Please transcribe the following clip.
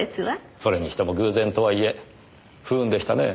それにしても偶然とはいえ不運でしたねぇ。